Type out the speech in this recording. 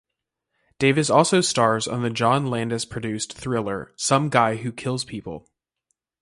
Davis also stars in the John Landis-produced thriller "Some Guy Who Kills People".